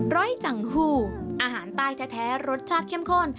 ร้อยจังฮูอาหารใต้แท้รสชาติเข้มข้น